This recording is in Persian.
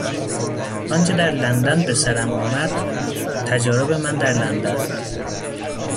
آنچه در لندن به سرم آمد...، تجارب من در لندن...